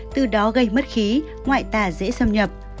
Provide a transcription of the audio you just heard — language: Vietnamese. từ đó gây mất khí ngoại tả dễ xâm nhập